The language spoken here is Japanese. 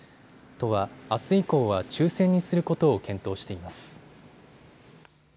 都は、あす以降は抽せんにすることを検討しています。